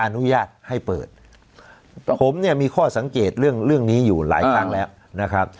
อนุญาตให้เปิดผมเนี่ยมีข้อสังเกตเรื่องเรื่องนี้อยู่หลายครั้งแล้วนะครับ